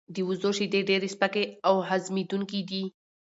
د وزو شیدې ډیر سپکې او هضمېدونکې دي.